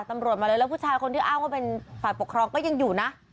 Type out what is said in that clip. ตำรวจมาเลยแล้วผู้ชายคนที่อ้างว่าเป็นฝ่ายปกครองก็ยังอยู่นะ